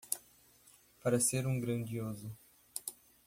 Para ser um grandioso